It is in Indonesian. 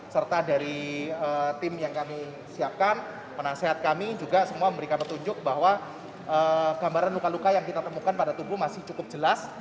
serta dari tim yang kami siapkan penasehat kami juga semua memberikan petunjuk bahwa gambaran luka luka yang kita temukan pada tubuh masih cukup jelas